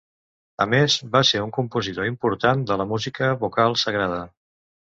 A més, va ser un compositor important de la música vocal sagrada.